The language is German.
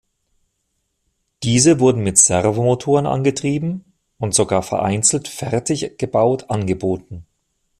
Diese wurden mit Servomotoren angetrieben und sogar vereinzelt fertig gebaut angeboten.